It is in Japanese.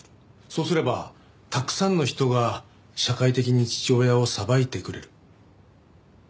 そうすればたくさんの人が社会的に父親を裁いてくれる。